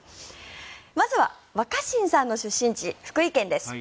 まずは若新さんの出身地福井県です。